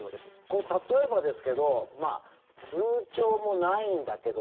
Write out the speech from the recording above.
これ、例えばですけど通帳もないんだけど